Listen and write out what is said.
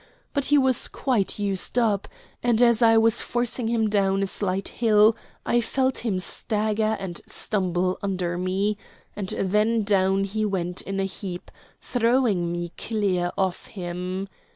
But he was quite used up, and as I was forcing him down a slight hill I felt him stagger and stumble under me; and then down he went in a heap, throwing me clear of him.